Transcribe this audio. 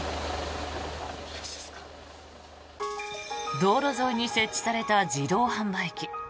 道路沿いに設置された自動販売機。